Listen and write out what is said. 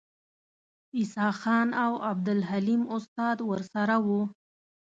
عیسی خان او عبدالحلیم استاد ورسره وو.